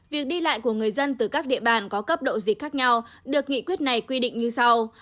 việc đi lại của người dân từ các địa bàn có cấp độ dịch khác nhau được nghị quyết này quy định như sau